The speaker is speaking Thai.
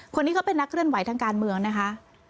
คนนี้เขาเป็นนักเคลื่อนไหวทางการเมืองนะคะ